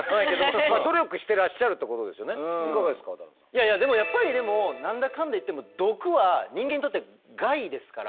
いやいやでもやっぱりでも何だかんだ言っても毒は人間にとって害ですから。